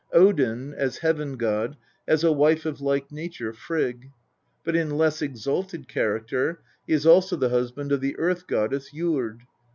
Odin, as heaven god, has a wife of like nature, Frigg ; but, in less exalted character, he is also the husband of the Earth goddess, Jord.